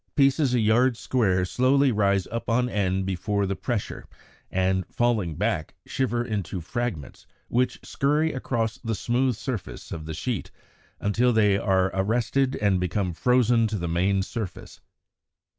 Pieces a yard square slowly rise up on end before the pressure and, falling back, shiver into fragments which scurry across the smooth surface of the sheet until they are arrested and become frozen to the main surface.